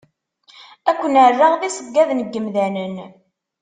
Ad ken-rreɣ d iṣeggaden n yemdanen.